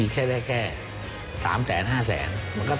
ก็คือคุณอันนบสิงต์โตทองนะครับ